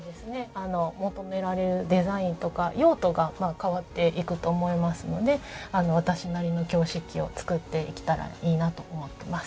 求められるデザインとか用途が変わっていくと思いますので私なりの京漆器を作っていけたらいいなと思ってます。